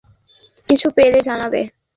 ঠিক আছে পড়, কিছু পেলে জানাবে।